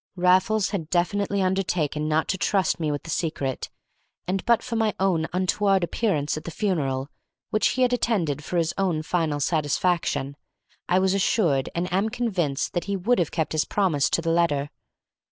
Raffles had definitely undertaken not to trust me with the secret, and, but for my untoward appearance at the funeral (which he had attended for his own final satisfaction), I was assured and am convinced that he would have kept his promise to the letter.